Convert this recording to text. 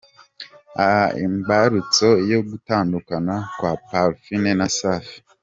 Imbarutso yo gutandukana kwa Parfine na Safi….